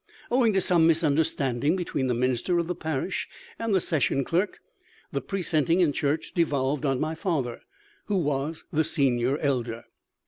Owing to some misunderstanding between the minister of the parish and the session clerk, the precenting in church devolved on my father, who was the senior elder.